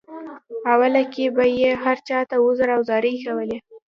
اوله کې به یې هر چاته عذر او زارۍ کولې.